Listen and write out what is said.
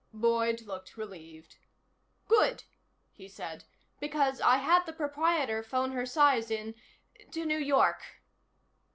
Boyd looked relieved. "Good," he said. "Because I had the proprietor phone her size in, to New York."